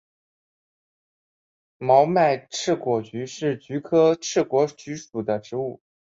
毛脉翅果菊是菊科翅果菊属的植物。